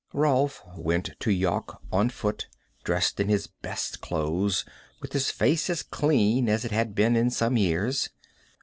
Rolf went to Yawk on foot, dressed in his best clothes, with his face as clean as it had been in some years.